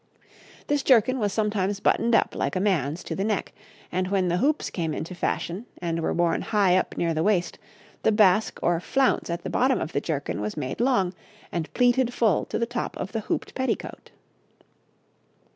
This jerkin was sometimes worn buttoned up, like a man's, to the neck, and when the hoops came into fashion and were worn high up near the waist, the basque or flounce at the bottom of the jerkin was made long, and pleated full to the top of the hooped petticoat.